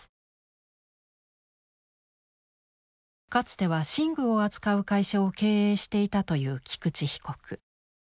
かつては寝具を扱う会社を経営していたという菊池被告。